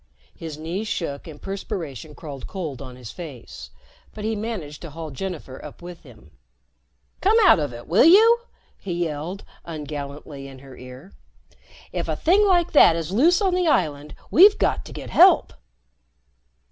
His knees shook and perspiration crawled cold on his face, but he managed to haul Jennifer up with him. "Come out of it, will you?" he yelled ungallantly in her ear. "If a thing like that is loose on the island, we've got to get help!"